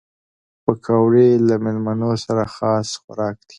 پکورې له مېلمنو سره خاص خوراک دي